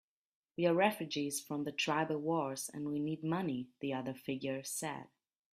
"We're refugees from the tribal wars, and we need money," the other figure said.